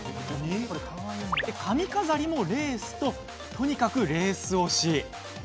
髪飾りもレースととにかくレース推し。